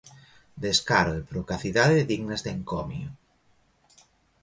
Descaro e procacidade dignas de encomio.